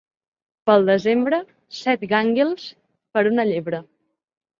Pel desembre, set gànguils per una llebre.